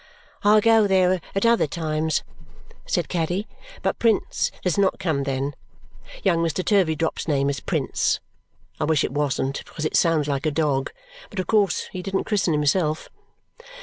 "I go there at other times," said Caddy, "but Prince does not come then. Young Mr. Turveydrop's name is Prince; I wish it wasn't, because it sounds like a dog, but of course he didn't christen himself.